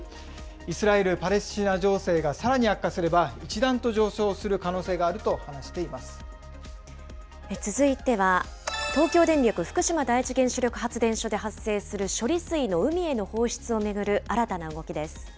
イスラエル・パレスチナ情勢がさらに悪化すれば、一段と上昇する続いては、東京電力福島第一原子力発電所で発生する処理水の海への放出を巡る新たな動きです。